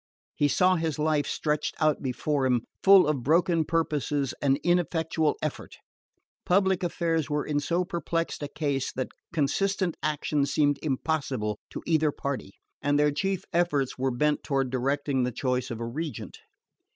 He saw his life stretched out before him, full of broken purposes and ineffectual effort. Public affairs were in so perplexed a case that consistent action seemed impossible to either party, and their chief efforts were bent toward directing the choice of a regent.